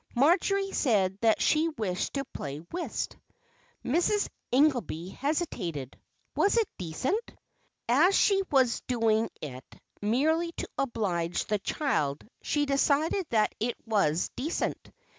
Marjory said that she wished to play whist. Mrs. In gelby hesitated. Was it decent? As she was doing it merely to oblige the child, she decided that it was de cent.